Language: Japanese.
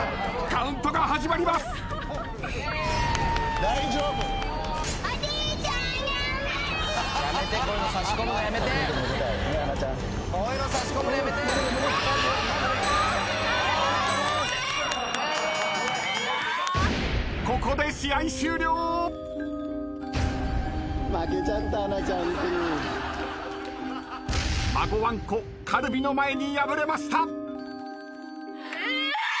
カルビの前に敗れました。